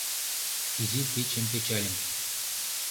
Изи печым печальым